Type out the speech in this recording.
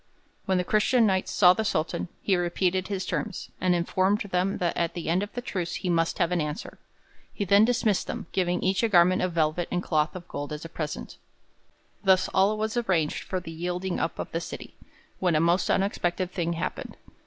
When the Christian Knights saw the Sultan, he repeated his terms, and informed them that at the end of the truce he must have an answer. He then dismissed them, giving each a garment of velvet and cloth of gold as a present. Thus all was arranged for the yielding up of the city, when a most unexpected thing happened.